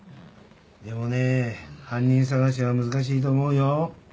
でもね犯人捜しは難しいと思うよ。